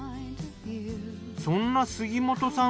そんな杉本さん